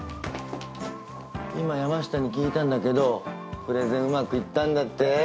今山下に聞いたんだけどプレゼンうまくいったんだって？